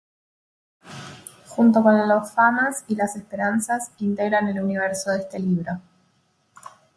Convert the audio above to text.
Junto con los "famas" y las "esperanzas", integran el universo de este libro.